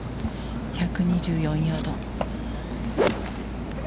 １２４ヤード。